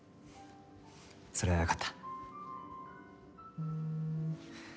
それはよかった。